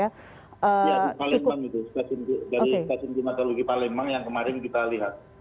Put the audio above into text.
ya di palembang itu dari stasiun klimatologi palembang yang kemarin kita lihat